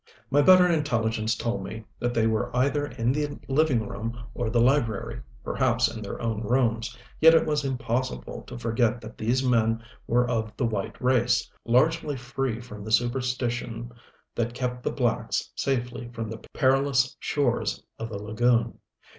My better intelligence told me that they were either in the living room or the library, perhaps in their own rooms, yet it was impossible to forget that these men were of the white race, largely free from the superstition that kept the blacks safely from the perilous shores of the lagoon.